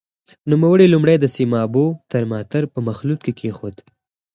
نوموړی لومړی د سیمابو ترمامتر په مخلوط کې کېښود.